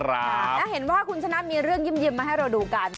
แล้วเห็นว่าคุณชนะมีเรื่องยิ้มมาให้เราดูกัน